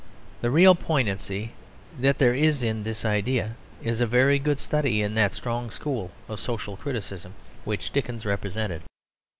The real poignancy that there is in this idea is a very good study in that strong school of social criticism which Dickens represented.